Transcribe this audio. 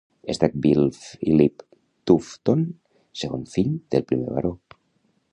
Sackville Philip Tufton, segon fill del primer Baró.